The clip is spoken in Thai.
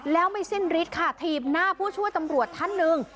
แล้วไม่สิ้นฤทธิ์ค่ะถีบหน้าผู้ช่วยตำรวจท่านหนึ่ง